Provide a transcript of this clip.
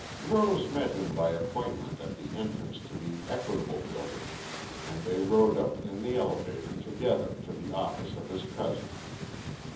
Rose met him by appointment at the entrance to the Equitable Building and they rode up in the elevator together to the office of his cousin.